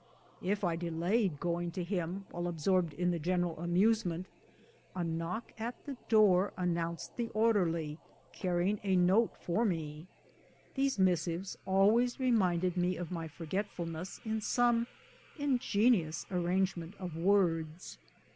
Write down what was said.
If I delayed going to him while absorbed in the general amusement, a knock at the door announced the orderly carrying a note for me. Those missives always reminded me of my forgetfulness in some ingenious arrangement of words.